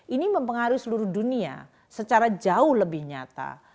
ini mempengaruhi seluruh dunia secara jauh lebih nyata